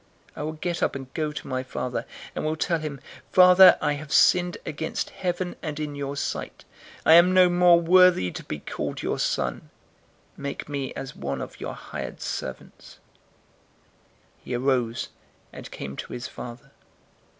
015:018 I will get up and go to my father, and will tell him, "Father, I have sinned against heaven, and in your sight. 015:019 I am no more worthy to be called your son. Make me as one of your hired servants."' 015:020 "He arose, and came to his father.